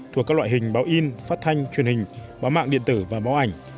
thuộc các loại hình báo in phát thanh truyền hình báo mạng điện tử và báo ảnh